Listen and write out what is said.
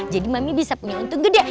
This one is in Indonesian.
jadi mami bisa punya untung gede